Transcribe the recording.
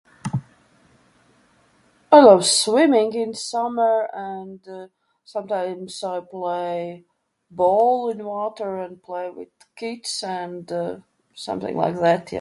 I love swimming in summer, and, uh, sometimes I play ball in water and play with kids and, uh, something like that, yeah.